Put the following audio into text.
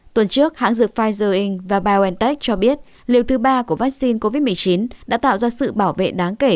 tuần trước hãng dược pfizer in và biontech cho biết liều thứ ba của vaccine covid một mươi chín đã tạo ra sự bảo vệ đáng kể